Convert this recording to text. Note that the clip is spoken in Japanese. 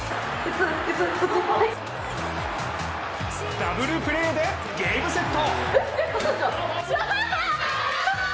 ダブルプレーでゲームセット。